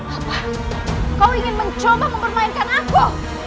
apa kau ingin mencoba mempermainkan aku